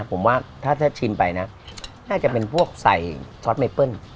ผมว่าถ้าชิมไปนะน่าจะเป็นพวกใส่ซอสไมเปิ้ล